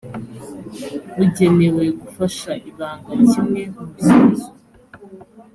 bugenewe gufasha ibanga kimwe mu bisubizo